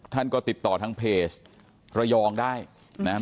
ท่านก็ติดต่อทางเพจระยองได้นะครับ